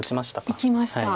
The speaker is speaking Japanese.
いきました。